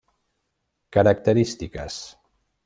Característiques: